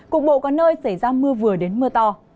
cục bộ có nơi xảy ra mưa vừa đến mưa to